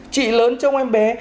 chị lớn trong em bé